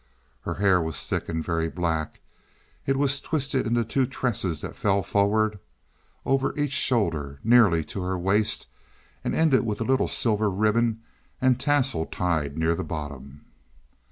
Her hair was thick and very black; it was twisted into two tresses that fell forward over each shoulder nearly to her waist and ended with a little silver ribbon and tassel tied near the bottom.